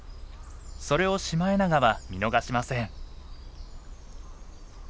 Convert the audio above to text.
それをシマエナガは見逃しません。